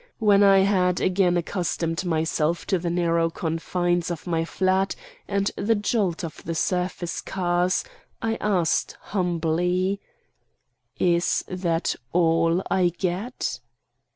When I had again accustomed myself to the narrow confines of my flat, and the jolt of the surface cars, I asked humbly: "Is that all I get?"